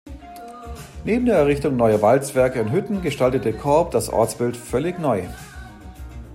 Neben der Errichtung neuer Walzwerke und Hütten gestaltete Korb das Ortsbild völlig neu.